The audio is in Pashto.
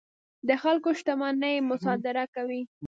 د خلکو شتمنۍ مصادره کوي.